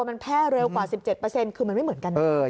มันแพร่เร็วกว่า๑๗คือมันไม่เหมือนกันนะ